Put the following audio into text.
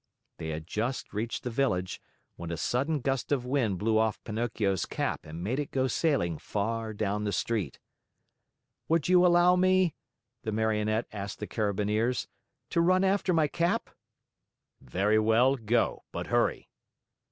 They had just reached the village, when a sudden gust of wind blew off Pinocchio's cap and made it go sailing far down the street. "Would you allow me," the Marionette asked the Carabineers, "to run after my cap?" "Very well, go; but hurry."